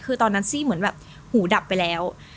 คือตอนนั้นซี่เหมือนแบบหูดับไปแล้ว